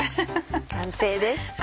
完成です。